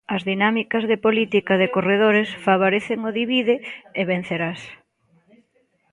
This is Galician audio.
As dinámicas de política de corredores favorecen o divide e vencerás.